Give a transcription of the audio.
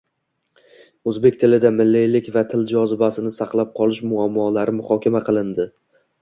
O‘zbek tilida milliylik va til jozibasini saqlab qolish muammolari muhokama qilinding